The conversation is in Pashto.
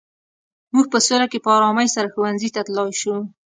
موږ په سوله کې په ارامۍ سره ښوونځي ته تلای شو.